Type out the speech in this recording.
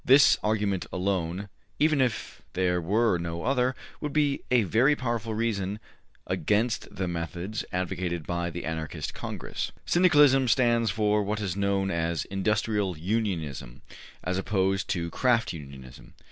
This argument alone, even if there were no other, would be a very powerful reason against the methods advocated by the Anarchist Congress. Syndicalism stands for what is known as industrial unionism as opposed to craft unionism.